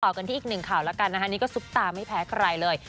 กันที่อีกหนึ่งข่าวแล้วกันนะคะนี่ก็ซุปตาไม่แพ้ใครเลย